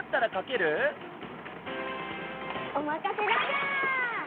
おまかせラジャー！